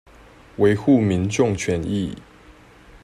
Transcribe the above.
維護民眾權益